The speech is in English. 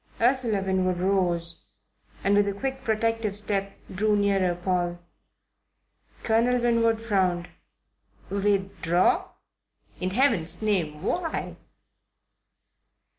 Ursula Winwood rose and, with a quick protective step, drew nearer Paul. Colonel Winwood frowned. "Withdraw? In Heaven's name why?"